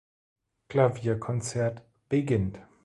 Klavierkonzert beginnt.